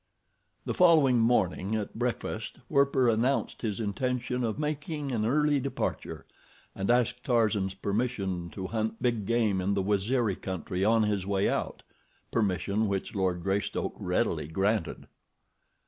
The following morning at breakfast, Werper announced his intention of making an early departure, and asked Tarzan's permission to hunt big game in the Waziri country on his way out—permission which Lord Greystoke readily granted.